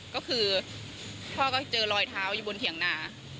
ก็คือพ่อเสียอยู่บนเถียงหนา